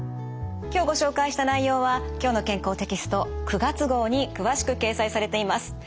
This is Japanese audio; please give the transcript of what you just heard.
今日ご紹介した内容は「きょうの健康」テキスト９月号に詳しく掲載されています。